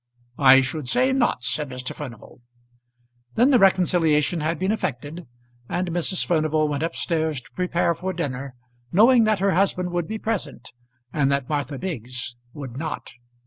"I should say not," said Mr. Furnival. Then the reconciliation had been effected, and Mrs. Furnival went up stairs to prepare for dinner, knowing that her husband would be present, and that Martha Biggs would not.